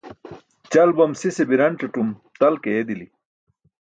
Ćal bam sise biranc̣atum tal ke eedili.